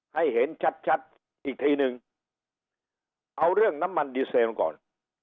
ให้เห็นชัดชัดอีกทีนึงเอาเรื่องน้ำมันดีเซลก่อน